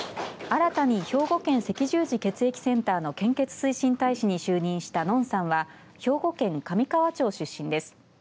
新たに兵庫県赤十字血液センターの献血推進大使に就任したのんさんは兵庫県神河町出身です。